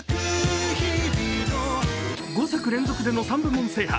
５作連続での３部門制覇。